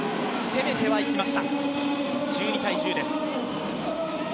攻めてはいきました。